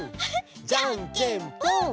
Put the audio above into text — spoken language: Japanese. じゃんけんぽん！